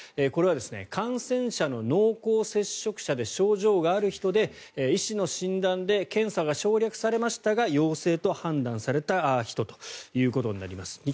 これは感染者の濃厚接触者で症状がある人で医師の診断で検査が省略されましたが陽性と判断された人ということになります。